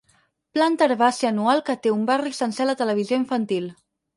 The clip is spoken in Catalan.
Planta herbàcia anual que té un barri sencer a la televisió infantil.